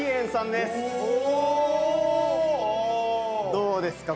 どうですか？